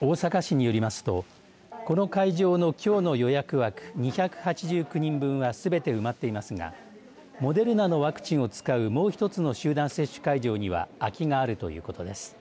大阪市によりますとこの会場の、きょうの予約枠２８９人分はすべて埋まっていますがモデルナのワクチンを使うもう一つの集団接種会場には空きがあるということです。